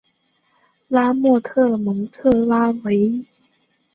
拉莫特蒙特拉韦。